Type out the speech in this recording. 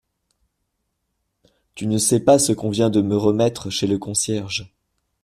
Tu ne sais pas ce qu’on vient de me remettre chez le concierge ?